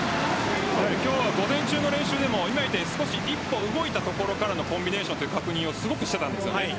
今日、午前中の練習でも一歩動いたところからのコンビネーションの確認をしていたんです。